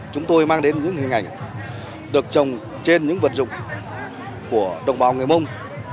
chúng tôi mang đến những hình ảnh được trồng trên những vật dụng của đồng bào người mông